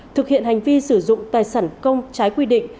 thực hiện hành vi sử dụng tài sản công trái quy định